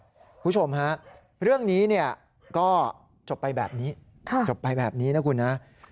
คุณผู้ชมฮะเรื่องนี้เนี่ยก็จบไปแบบนี้จบไปแบบนี้นะคุณนะ